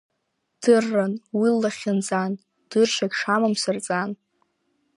Дырран, уи лахьынҵан, дыршьагь шамам сырҵан.